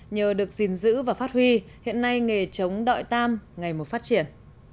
nhờ được gìn giữ và phát huy hiện nay nghề trống đoại tam ngày một phát triển